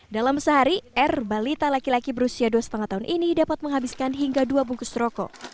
dalam sehari r balita laki laki berusia dua lima tahun ini dapat menghabiskan hingga dua bungkus rokok